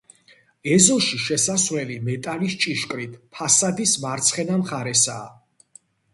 ეზოში შესასვლელი მეტალის ჭიშკრით, ფასადის მარცხენა მხარესაა.